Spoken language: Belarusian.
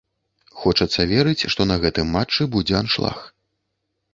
Хочацца верыць, што на гэтым матчы будзе аншлаг.